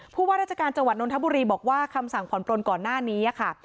ว่าราชการจังหวัดนทบุรีบอกว่าคำสั่งผ่อนปลนก่อนหน้านี้ค่ะ